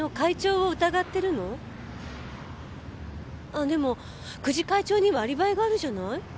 ああでも久慈会長にはアリバイがあるじゃない。